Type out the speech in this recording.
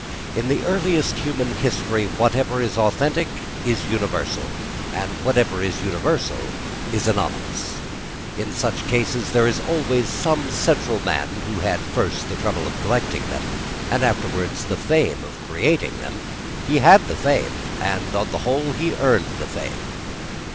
In the earliest human history whatever is authentic is universal: and whatever is universal is anonymous. In such cases there is always some central man who had first the trouble of collecting them, and afterwards the fame of creating them. He had the fame; and, on the whole, he earned the fame.